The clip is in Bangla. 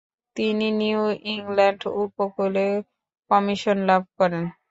তিনি নিউ ইংল্যান্ড উপকূলে কমিশন লাভ করেন।